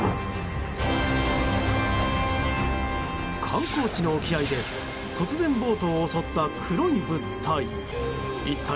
観光地の沖合で突然ボートを襲った黒い物体。